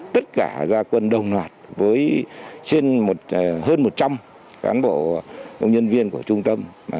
tất cả gia quân đồng loạt với trên hơn một trăm linh cán bộ công nhân viên của trung tâm